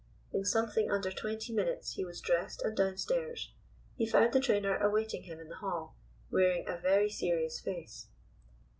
In something under twenty minutes he was dressed and downstairs. He found the trainer awaiting him in the hall, wearing a very serious face.